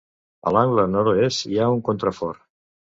A l'angle Nord-oest hi ha un contrafort.